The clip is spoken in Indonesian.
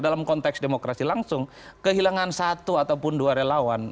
dalam konteks demokrasi langsung kehilangan satu ataupun dua relawan